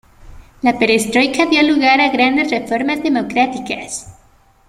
La perestroika dio lugar a grandes reformas democráticas.